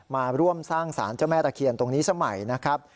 มาร่วมสร้างสารเจ้าแม่ตะเคียนตรงนี้สมัยนะครับ